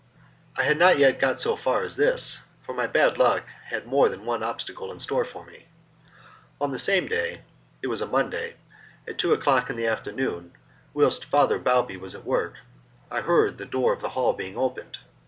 I had not yet got so far as this, for my bad luck had more than one obstacle in store for me. On the same day (it was a Monday) at two o'clock in the afternoon, whilst Father Balbi was at work, I heard the door of the hall being opened.